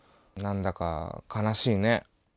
なんだか悲しいね。